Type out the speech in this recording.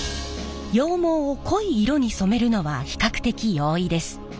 羊毛を濃い色に染めるのは比較的容易です。